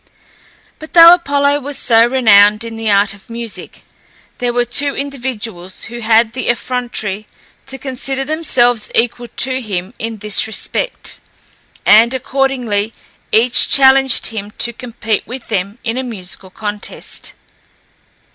But though Apollo was so renowned in the art of music, there were two individuals who had the effrontery to consider themselves equal to him in this respect, and, accordingly, each challenged him to compete with them in a musical contest.